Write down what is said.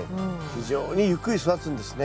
非常にゆっくり育つんですね。